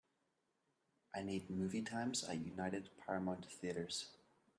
I need movie times at United Paramount Theatres